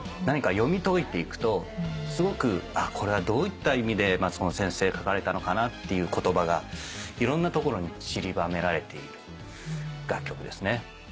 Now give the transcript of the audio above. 何か読み解いていくとすごくこれはどういった意味で松本先生書かれたのかなっていう言葉がいろんなところにちりばめられている楽曲ですね。